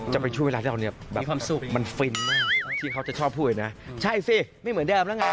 อยากเขาจะชอบพูดนะใช่สิไม่เหมือนเดิมแล้วไง